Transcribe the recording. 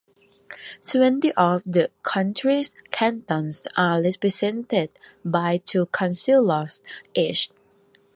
Twenty of the country's cantons are represented by two Councillors each.